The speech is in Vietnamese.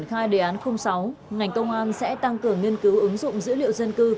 trước khi triển khai đề án sáu ngành công an sẽ tăng cường nghiên cứu ứng dụng dữ liệu dân cư